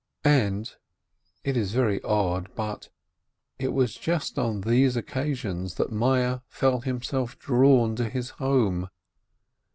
And — it is very odd, but — it was just on these occasions that Meyerl felt himself drawn to his home.